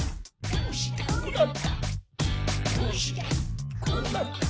どうしてこうなった？」